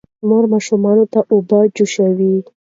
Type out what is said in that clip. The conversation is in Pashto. مور ماشومانو ته اوبه جوشوي.